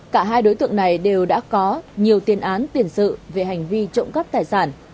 cả hai đối tượng này đều đã có nhiều tiền án tiền sự về hành vi trộm cắp tài sản